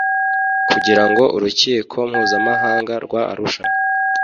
kugira ngo urukiko mpuzamahanga rwa arusha